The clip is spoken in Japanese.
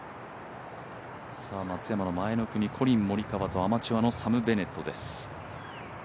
松山の前の組、コリン・モリカワとアマチュアのサム・ベネットです。